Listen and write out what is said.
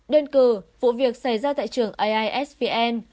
đơn cử vụ việc xảy ra tại trường aisvn